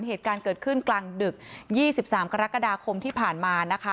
เหตุการณ์เกิดขึ้นกลางดึก๒๓กรกฎาคมที่ผ่านมานะคะ